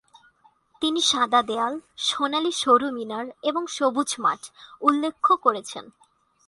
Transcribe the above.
তিনি এর "সাদা দেয়াল, সোনালী সরু মিনার এবং সবুজ মাঠ" উল্লেখ করেছেন।